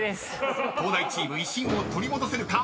［東大チーム威信を取り戻せるか。